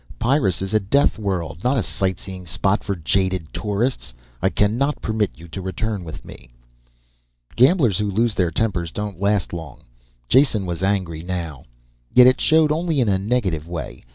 Pyrrus is a death world, not a sightseeing spot for jaded tourists. I cannot permit you to return with me." Gamblers who lose their tempers don't last long. Jason was angry now. Yet it showed only in a negative way.